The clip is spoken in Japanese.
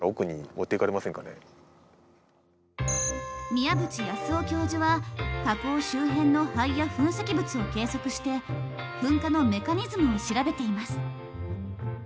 宮縁育夫教授は火口周辺の灰や噴石物を計測して噴火のメカニズムを調べています。